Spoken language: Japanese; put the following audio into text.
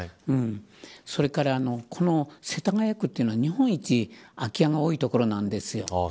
それからこの世田谷区というのは日本一、空き家が多い所なんです。